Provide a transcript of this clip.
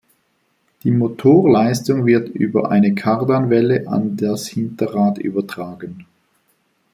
Die Motorleistung wird über eine Kardanwelle an das Hinterrad übertragen.